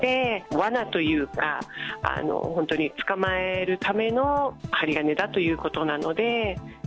わなというか、本当に捕まえるための針金だということなので。